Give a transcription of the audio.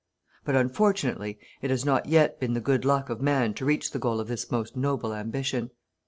But unfortunately it has not yet been the good luck of man to reach the goal of this most noble ambition.